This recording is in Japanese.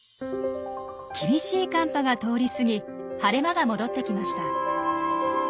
厳しい寒波が通り過ぎ晴れ間が戻ってきました。